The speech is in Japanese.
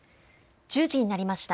１０時になりました。